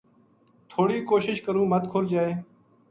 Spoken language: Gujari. تھوڑی کوشش کروں مت کھل جائے